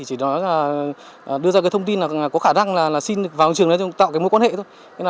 các đối tượng trong vụ án này chỉ đưa ra thông tin là có khả năng xin vào trường tạo mối quan hệ thôi